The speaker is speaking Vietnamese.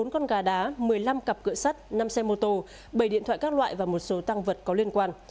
bốn con gà đá một mươi năm cặp cửa sắt năm xe mô tô bảy điện thoại các loại và một số tăng vật có liên quan